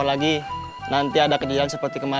kangkung harganya berapa